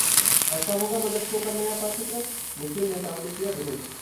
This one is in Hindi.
ऐसा होगा मदरसों का नया पाठ्यक्रम! मुस्लिम नेताओं ने किया विरोध